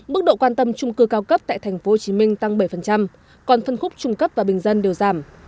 mức độ quan tâm trung cư cao cấp tại tp hcm tăng bảy còn phân khúc trung cấp và bình dân đều giảm